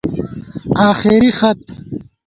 آخېری خط